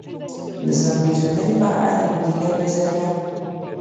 د ځان پېژندنې په اړه د مديريت نظريه.